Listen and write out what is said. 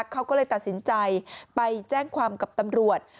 เขาก็เลยตัดสินใจไปแจ้งความกับตำรวจ